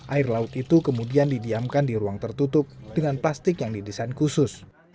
air laut itu kemudian didiamkan di ruang tertutup dengan plastik yang didesain khusus